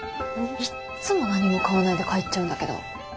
いっつも何も買わないで帰っちゃうんだけど。